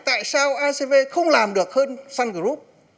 tại sao acv không làm được hơn sun group